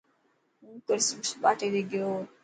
هون ڪرسمس پارٽي تي گيو.